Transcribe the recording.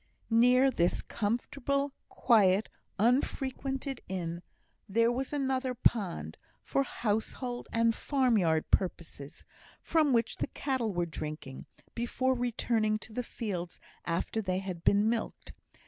Near this comfortable, quiet, unfrequented inn, there was another pond, for household and farm yard purposes, from which the cattle were drinking, before returning to the fields after they had been milked.